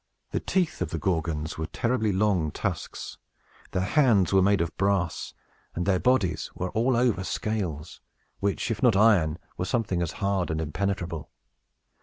The teeth of the Gorgons were terribly long tusks; their hands were made of brass; and their bodies were all over scales, which, if not iron, were something as hard and impenetrable.